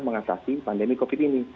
mengatasi pandemi covid ini